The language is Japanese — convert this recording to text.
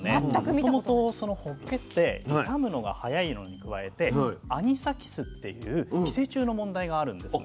もともとそのほっけって傷むのが速いのに加えてアニサキスっていう寄生虫の問題があるんですね。